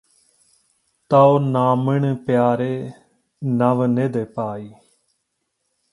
ਤਉ ਨਾਮਣਿ ਪਿਆਰੇ ਨਵ ਨਿਧਿ ਪਾਈ